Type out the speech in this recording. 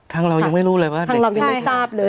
ทางเรายังไม่รู้เลยว่าเด็กจะอยู่ที่ไหน